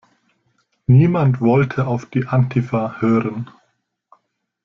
Niemand wollte auf die Antifa hören.